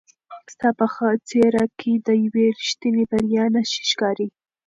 ستا په څېره کې د یوې رښتینې بریا نښې ښکاري.